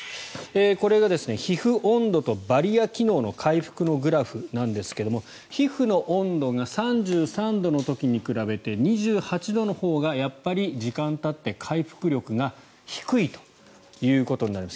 これが皮膚温度とバリア機能の回復のグラフなんですが皮膚の温度が３３度の時に比べて２８度のほうがやっぱり時間がたって、回復力が低いということになります。